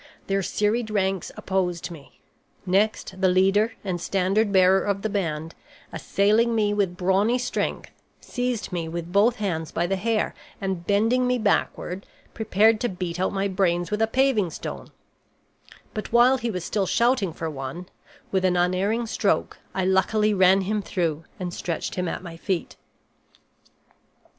Their serried ranks opposed me. Next, the leader and standard bearer of the band, assailing me with brawny strength, seized me with both hands by the hair, and bending me backward, prepared to beat out my brains with a paving stone; but while he was still shouting for one, with an unerring stroke I luckily ran him through and stretched him at my feet.